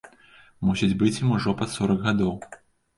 Мусіць быць ім ужо пад сорак гадоў!